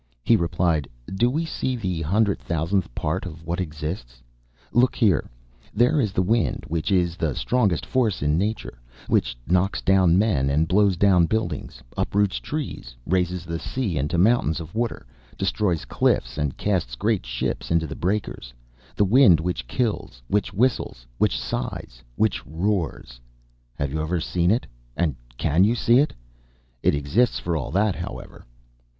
He replied: "Do we see the hundred thousandth part of what exists? Look here; there is the wind, which is the strongest force in nature, which knocks down men, and blows down buildings, uproots trees, raises the sea into mountains of water; destroys cliffs and casts great ships onto the breakers; the wind which kills, which whistles, which sighs, which roars have you ever seen it, and can you see it? It exists for all that, however."